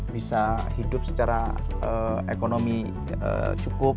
bisa hidup secara ekonomi cukup